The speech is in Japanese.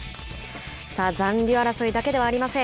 さあ、残留争いだけではありません。